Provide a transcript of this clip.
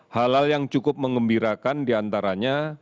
hal hal yang cukup mengembirakan diantaranya